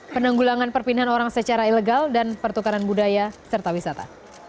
penanggulangan perpindahan orang secara ilegal dan pertukaran budaya serta wisata